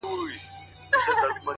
تا ولي په مسکا کي قهر وخندوئ اور ته ـ